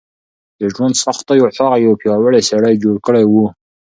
د ژوند سختیو هغه یو پیاوړی سړی جوړ کړی و.